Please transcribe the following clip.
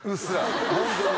ホントに。